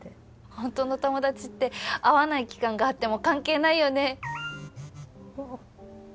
ほんとの友達って会わない期間があっても関係ないよね。